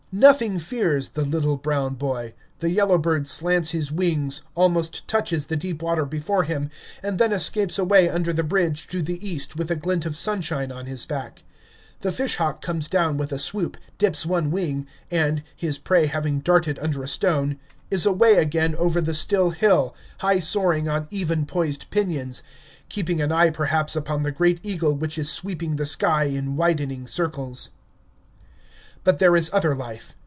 Nothing fears the little brown boy. The yellow bird slants his wings, almost touches the deep water before him, and then escapes away under the bridge to the east with a glint of sunshine on his back; the fish hawk comes down with a swoop, dips one wing, and, his prey having darted under a stone, is away again over the still hill, high soaring on even poised pinions, keeping an eye perhaps upon the great eagle which is sweeping the sky in widening circles. But there is other life.